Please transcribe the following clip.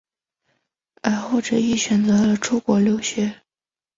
而后者亦选择了出国留学。